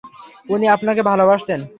উনি আপনাকে ভালবাসতেন।